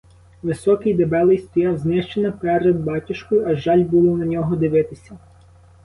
Високий, дебелий, стояв знищено перед батюшкою, аж жаль було на нього дивитися.